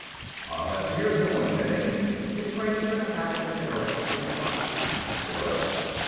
"I'll have to hear them one day." His Grace took a pack of cigarettes from his pocket. "Cigarette?"